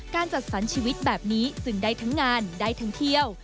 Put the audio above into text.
จัดสรรชีวิตแบบนี้จึงได้ทั้งงานได้ทั้งเที่ยว